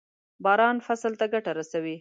باران فصل ته ګټه رسوي.